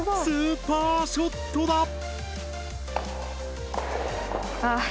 スーパーショットだ！